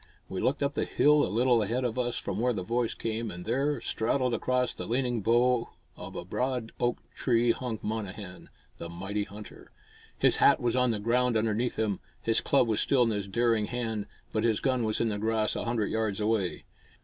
We looked up the hill a little ahead of us from where the voice came, and there, straddled across the leaning bough of a broad oak tree hung Monnehan, the mighty hunter. His hat was on the ground underneath him, his club was still in his daring hand, but his gun was in the grass a hundred yards away.